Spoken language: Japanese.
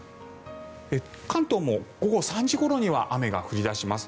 関東も午後３時ごろには雨が降り出します。